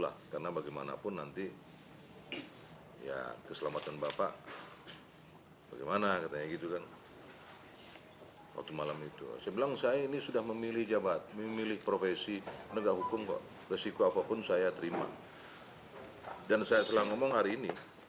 haritanu meminta antasari agar tidak menahan pesan sby aulia pohan